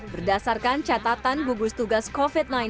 berdasarkan catatan gugus tugas covid sembilan belas